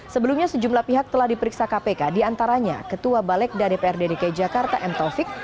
sebelumnya sejumlah pihak telah diperiksa kpk diantaranya ketua balekda dprd dki jakarta m taufik